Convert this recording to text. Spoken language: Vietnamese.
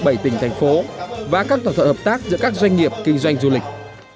bảy tỉnh thành phố và các thỏa thuận hợp tác giữa các doanh nghiệp kinh doanh du lịch